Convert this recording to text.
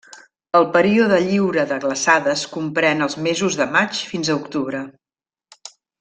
El període lliure de glaçades comprèn els mesos de maig fins a octubre.